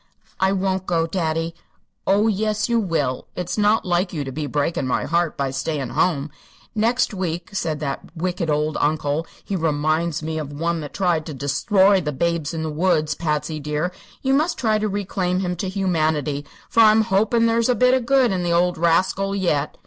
"I won't go, daddy." "Oh, yes you will. It's not like you to be breakin' my heart by stayin' home. Next week, said that wicked old uncle he remoinds me of the one that tried to desthroy the Babes in the Woods, Patsy dear. You must try to reclaim him to humanity, for I'm hopin' there's a bit of good in the old rascal yet."